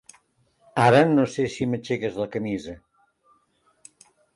Ara no sé si m'aixeques la camisa.